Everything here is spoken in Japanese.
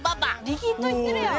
リキッド行ってるやん！